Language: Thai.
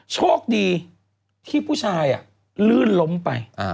โชคดีที่ผู้ชายลื่นล้มไป